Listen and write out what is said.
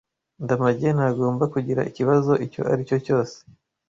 Ndamage ntagomba kugira ikibazo icyo aricyo cyose.